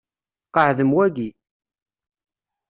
Qeɛdem waki.